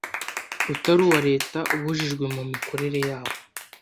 utari uwa Leta ubujijwe mu mikorere yawo